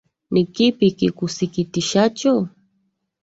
Ni kipi kikusikitishacho.